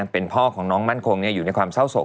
เป็นพ่อของน้องมั่นคงอยู่ในความเศร้าโศก